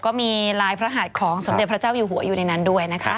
ก็มีลายพระหาดของสมเด็จพระเจ้าอยู่หัวอยู่ในนั้นด้วยนะคะ